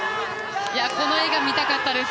この画が見たかったです。